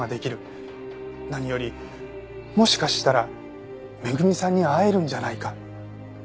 何よりもしかしたら恵さんに会えるんじゃないか。